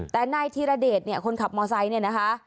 แต่นายธิรเดชคนขับมอเซ้นี่นะคะ